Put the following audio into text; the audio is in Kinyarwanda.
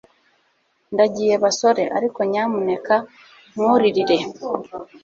ndagiye basore, ariko nyamuneka nturirire